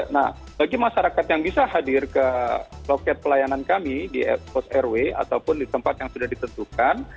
nah bagi masyarakat yang bisa hadir ke loket pelayanan kami di pos rw ataupun di tempat yang sudah ditentukan